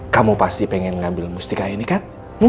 kamu pasti pengen ngambil mustika ini kan